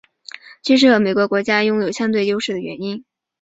揭示了每个国家拥有相对优势的原因。